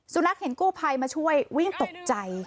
นักเห็นกู้ภัยมาช่วยวิ่งตกใจ